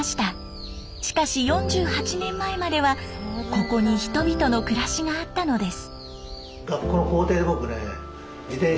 しかし４８年前まではここに人々の暮らしがあったのです。